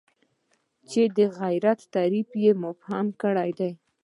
چې د غیرت تعریف یې مبهم کړی دی.